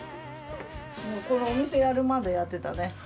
もうこのお店やるまでやってたね。